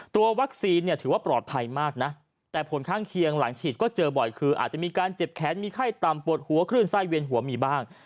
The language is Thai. ตัววัคซีนเนี่ยถือว่าปลอดภัยมากนะแต่ผลข้างเคียงหลังฉีดก็เจอบ่อยคืออาจจะมีการเจ็บแขนมีไข้ต่ำปวดหัวคลื่นไส้เวียนหัวมีบ้าง